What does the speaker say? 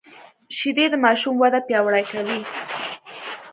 شیدې د ماشوم وده پیاوړې کوي